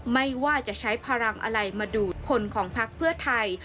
ไม่ว่าจะใช้พลังอะไรมาดูดคนของพักเพื่อไทย